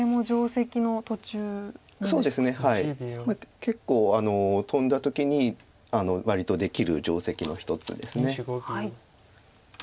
結構トンだ時に割とできる定石の一つです。